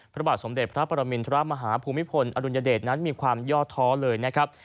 พระบาทสมเด็จพระปรมินทรมาฮาภูมิพลอดุลยเดชนั้นมีความย่อท้อเลยนะครับ